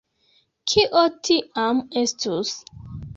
Kio tiam estus?